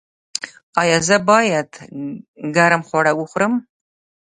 ایا زه باید ګرم خواړه وخورم؟